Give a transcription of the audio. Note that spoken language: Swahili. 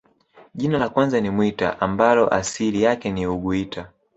Jina la kwanza ni Mwita ambalo asili yake ni uguita